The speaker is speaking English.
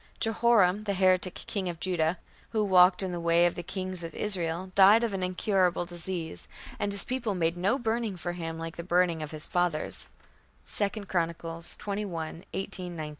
Jehoram, the heretic king of Judah, who "walked in the way of the kings of Israel", died of "an incurable disease. And his people made no burning for him like the burning of his fathers" (2 Chronicles, xxi, 18, 19).